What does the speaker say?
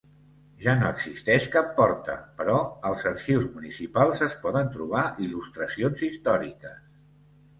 Ja no existeix cap porta, però als arxius municipals es poden trobar il·lustracions històriques.